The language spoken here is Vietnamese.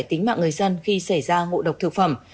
tính mạng người dân khi xảy ra ngộ độc thực phẩm